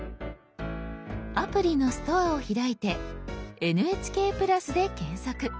アプリの「ストア」を開いて「ＮＨＫプラス」で検索。